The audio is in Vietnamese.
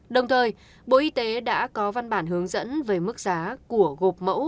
đồng thời bộ y tế đã có văn bản hướng dẫn về mức giá của gộp mẫu